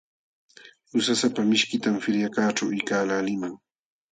Usasapa mishitam feriakaqćhu quykaqlaaliman.